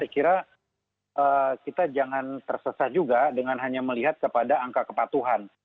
saya kira kita jangan tersesat juga dengan hanya melihat kepada angka kepatuhan